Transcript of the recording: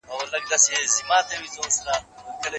چې ستړیا احساس نه کړو.